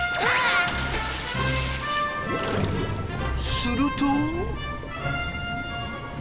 すると。